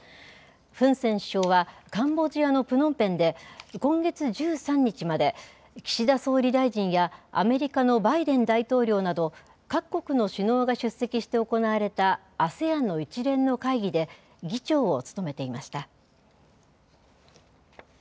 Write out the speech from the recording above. フン・セン首相は、カンボジアのプノンペンで、今月１３日まで、岸田総理大臣やアメリカのバイデン大統領など、各国の首脳が出席して行われたＡＳＥＡＮの一連の会議で議長を務めていました。